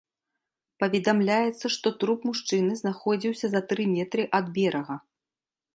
Паведамляецца, што труп мужчыны знаходзіўся за тры метры ад берага.